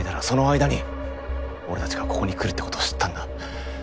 その間に俺たちがここに来るって事を知ったんだ。